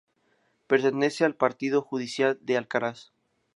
Pertenece al partido judicial de Alcaraz.